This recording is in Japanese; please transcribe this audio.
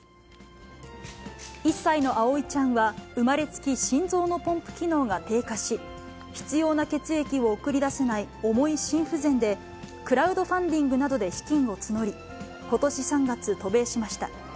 １歳の葵ちゃんは生まれつき心臓のポンプ機能が低下し、必要な血液を送り出せない重い心不全で、クラウドファンディングなどで資金を募り、ことし３月、渡米しました。